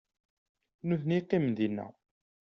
D nitni i yeqqimen dinna.